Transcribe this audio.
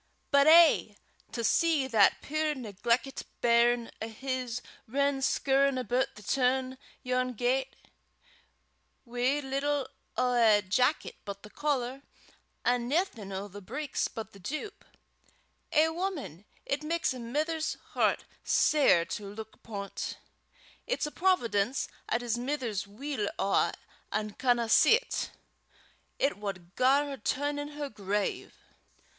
But eh! to see that puir negleckit bairn o' his rin scoorin' aboot the toon yon gait wi' little o' a jacket but the collar, an' naething o' the breeks but the doup eh, wuman! it maks a mither's hert sair to luik upo' 't. It's a providence 'at his mither's weel awa an' canna see 't; it wad gar her turn in her grave."